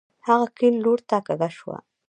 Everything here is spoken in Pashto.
هغه کيڼ لورته کږه شوه.